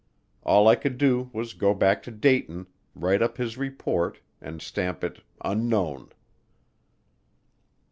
All I could do was go back to Dayton, write up his report, and stamp it "Unknown."